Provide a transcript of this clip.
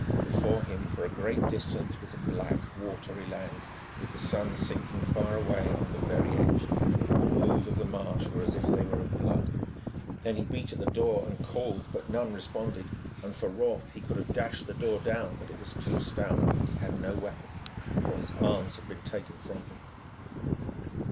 Before him for a great distance was a black watery land, with the sun sinking far away on the very edge, and the pools of the marsh were as if they were of blood. Then he beat at the door and called, but none responded, and for wrath he could have dashed the door down, but it was too stout, and he had no weapon; for his arms had been taken from him.